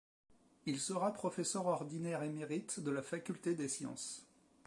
Il sera professeur ordinaire émérite de la faculté des Sciences.